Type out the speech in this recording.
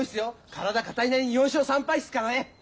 体硬いなりに４勝３敗っすからね。